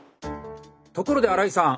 ところで荒井さん